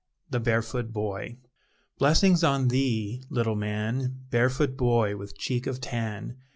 THE BAREFOOT BOY Blessings on thee, little man, Barefoot boy, with cheek of tan!